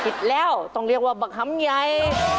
ผิดแล้วต้องเรียกว่าบักหำใหญ่